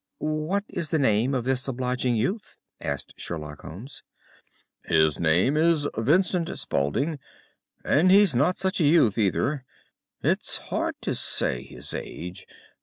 "What is the name of this obliging youth?" asked Sherlock Holmes. "His name is Vincent Spaulding, and he's not such a youth, either. It's hard to say his age.